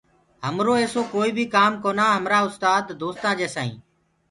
همرو ايسو ڪوئيٚ بيٚ ڪآم ڪونآ همرآ استآد دوستآ جيسي هينٚ